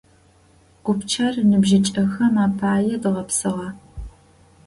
Гупчэр ныбжьыкӏэхэм апае дгъэпсыгъэ.